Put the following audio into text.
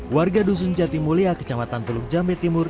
warga dusun jatimulia kecamatan teluk jambe timur